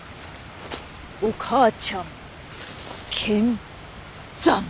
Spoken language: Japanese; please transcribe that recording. お母ちゃん見参」。